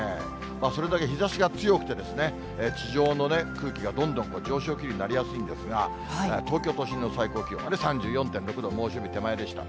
それだけ日ざしが強くて、地上の空気がどんどん上昇気流になりやすいんですが、東京都心の最高気温は３４．６度、猛暑日手前でした。